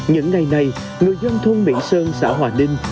những ngày này người dân thôn mỹ sơn xã hòa ninh